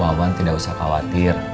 wawan tidak usah khawatir